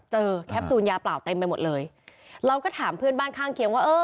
แคปซูลยาเปล่าเต็มไปหมดเลยเราก็ถามเพื่อนบ้านข้างเคียงว่าเออ